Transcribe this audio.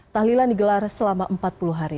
tahlilan digelar selama empat puluh hari